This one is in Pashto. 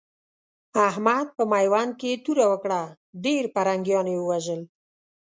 احمد په ميوند کې توره وکړه؛ ډېر پرنګيان يې ووژل.